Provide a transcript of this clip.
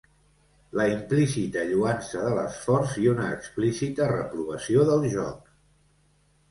La implícita lloança de l'esforç i una explícita reprovació del joc.